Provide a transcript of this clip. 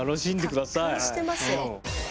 達観してますよ。